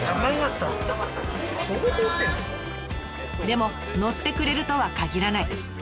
でも乗ってくれるとはかぎらない。